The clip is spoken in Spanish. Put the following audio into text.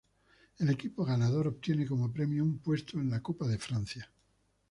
El equipo ganador obtiene como premio un puesto en la Copa de Francia.